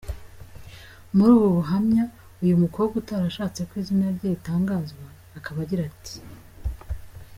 Muri ubu buhamya uyu mukobwa utarashatse ko izina rye ritangazwa akaba agira ati’’.